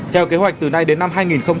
theo kế hoạch từ nay đến năm